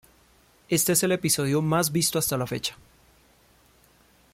Este es el episodio más visto hasta la fecha.